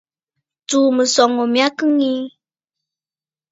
Tsùu mɨsɔŋ oo my kɨ ŋii.